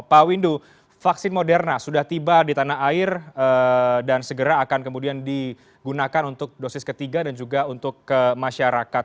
pak windu vaksin moderna sudah tiba di tanah air dan segera akan kemudian digunakan untuk dosis ketiga dan juga untuk masyarakat